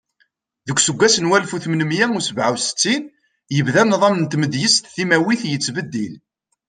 Deg useggas n walef u tmenmiya u sebɛa U settin, yebda nḍam n tmedyazt timawit yettbeddil.